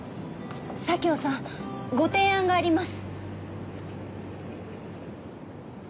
佐京さんご提案があります